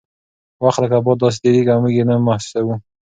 وخت لکه باد داسې تیریږي او موږ یې نه محسوسوو.